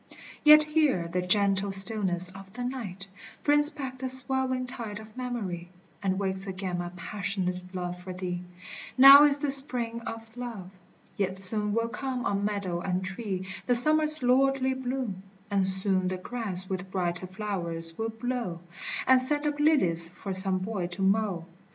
Yet here the gentle stillness of the night Brings back the swelling tide of memory, And wakes again my passionate love for thee : Now is the Spring of Love, yet soon will come On meadow and tree the Summer's lordly bloom ; And soon the grass with brighter flowers will blow, And send up lilies for some boy to mow.